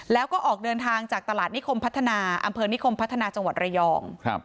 แล้วก็ออกเดินทางจากตลาดนิคมพัฒนาอำเภอนิคมพัฒนาจังหวัดระยอง